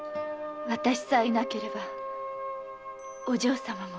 私さえ居なければお嬢様も。